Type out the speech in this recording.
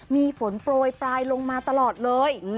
มีฝนโปรยปลายลงมาตลอดเลย